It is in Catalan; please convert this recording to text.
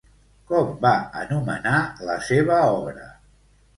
Com va anomenar la seva obra?